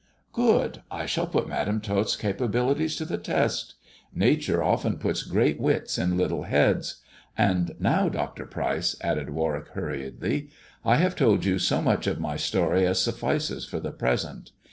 " Good I I shall put Madam Tot*s capabilities to the test. Nature often puts great wits in little heads. And now, Dr. Pryce," added Warwick hurriedly, " I have told you so much of my story as suffices for the present.